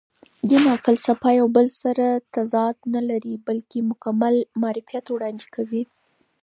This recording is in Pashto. دین او فلسفه یو بل سره تضاد نه لري، بلکې مکمل معرفت وړاندې کوي.